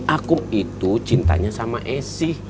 aku itu cintanya sama esi